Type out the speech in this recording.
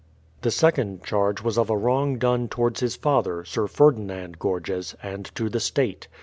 The second charge was of a wrong done towards his father. Sir Ferdinand Gorges, and to the State.